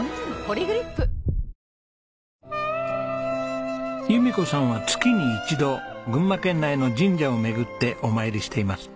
「ポリグリップ」弓子さんは月に一度群馬県内の神社を巡ってお参りしています。